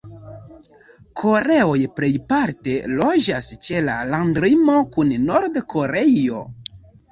Koreoj plejparte loĝas ĉe la landlimo kun Nord-Koreio.